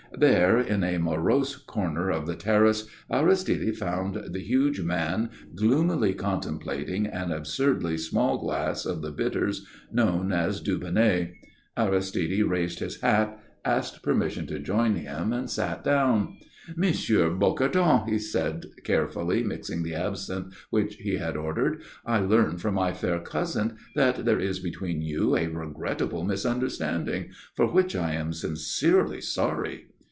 There, in a morose corner of the terrace, Aristide found the huge man gloomily contemplating an absurdly small glass of the bitters known as Dubonnet. Aristide raised his hat, asked permission to join him, and sat down. "M. Bocardon," said he, carefully mixing the absinthe which he had ordered, "I learn from my fair cousin that there is between you a regrettable misunderstanding, for which I am sincerely sorry."